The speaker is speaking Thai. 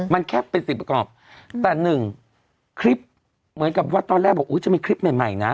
มันแค่เป็นสิ่งประกอบแต่หนึ่งคลิปเหมือนกับว่าตอนแรกบอกจะมีคลิปใหม่ใหม่นะ